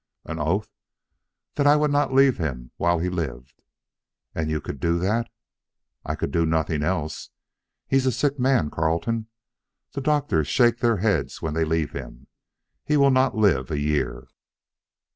"An oath?" "That I would not leave him while he lived." "And you could do that?" "I could do nothing else. He's a sick man, Carleton. The doctors shake their heads when they leave him. He will not live a year."